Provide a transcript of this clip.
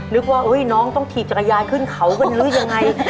นึกว่าน้องต้องถีบจักรยานขึ้นเขากันหรือยังไง